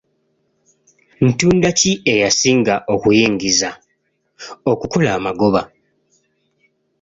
Ntunda ki eyasinga okuyingiza/okukola amagoba?